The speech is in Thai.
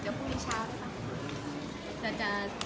เรื่องพรุ่งนี้ซะรอให้แทนาย